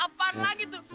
apaan lagi tuh